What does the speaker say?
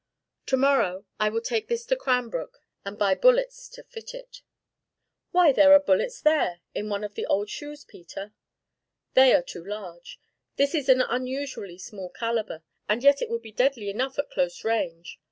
"To morrow I will take this to Cranbrook, and buy bullets to fit it." "Why, there are bullets there in one of the old shoes, Peter." "They are too large; this is an unusually small calibre, and yet it would be deadly enough at close range.